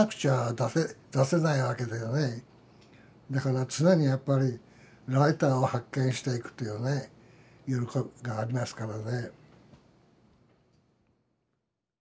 だから常にやっぱりライターを発見していくっていうね喜びがありますからね。